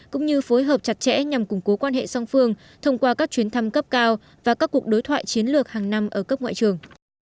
cũng như phối hợp chặt chẽ nhằm củng cố quan hệ song phương thông qua các chuyến thăm cấp cao và các cuộc đối thoại chiến lược hàng năm ở cấp ngoại trưởng